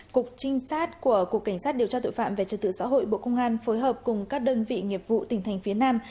cục trinh sát của cục cảnh sát điều tra tội phạm về trật tự xã hội bộ công an phối hợp cùng các đơn vị nghiệp vụ tỉnh thành phía nam